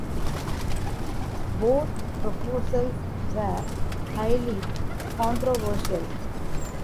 Both proposals were highly controversial.